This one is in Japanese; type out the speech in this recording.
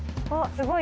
すごい。